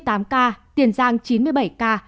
tiền giang chín mươi bảy ca